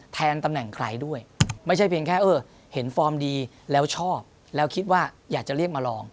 ตำแหน่งใครด้วยไม่ใช่เพียงแค่เออเห็นฟอร์มดีแล้วชอบแล้วคิดว่าอยากจะเรียกมาลอง